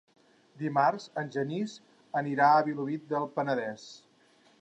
Dimarts en Genís anirà a Vilobí del Penedès.